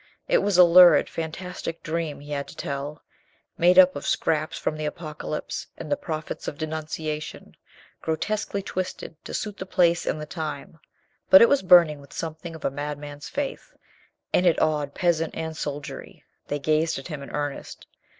It was a lurid, fantastic dream he had to tell, made up of scraps from the apocalypse and the prophets of denunciation, grotesquely twisted to suit the place and the time. But it was burning with something of a madman's faith, and it awed peasant and soldiery. They gazed at him in earnest.